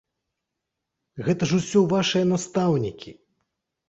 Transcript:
Гэта ж усё вашыя настаўнікі!